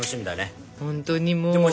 本当にもう。